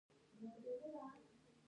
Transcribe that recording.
د غزني باغونه الو دي